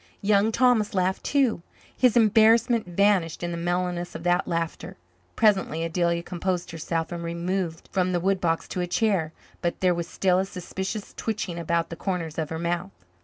Young Thomas laughed too. His embarrassment vanished in the mellowness of that laughter. Presently Adelia composed herself and removed from the woodbox to a chair, but there was still a suspicious twitching about the corners of her mouth.